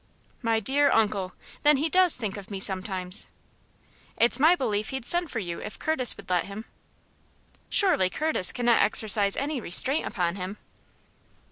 "My dear uncle! Then he does think of me sometimes?" "It's my belief he'd send for you if Curtis would let him." "Surely Curtis cannot exercise any restraint upon him?"